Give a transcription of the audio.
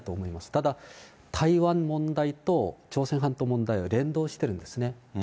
ただ、台湾問題と朝鮮半島問題は連動してるんですね。